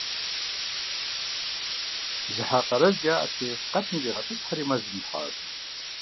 Зы хьэ къарэжь яӏэти, къэпым иригъэтӏысхьэри, мэзым ихьащ.